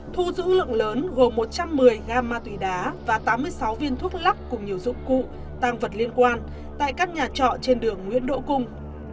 thu giữ lượng lớn gồm một trăm một mươi gram ma túy đá và tám mươi sáu viên thuốc lắc cùng nhiều dụng cụ tăng vật liên quan tại các nhà trọ trên đường nguyễn đỗ cung